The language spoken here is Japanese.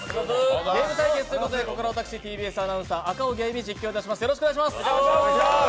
ゲーム対決ということでここからは私、ＴＢＳ・赤荻歩が実況いたします。